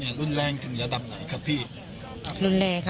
หนักสุดนี่ก็คือเอากาน้ำฟาดหัวแตก